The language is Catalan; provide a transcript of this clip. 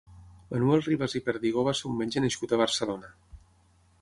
Manuel Ribas i Perdigó va ser un metge nascut a Barcelona.